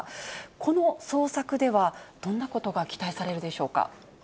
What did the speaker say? この捜索では、どんなことが期待されるでしょうか。